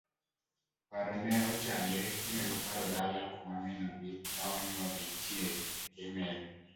Paro ne ochande kendo noparo dala kuma min gi ma onyuole nitie, Emali.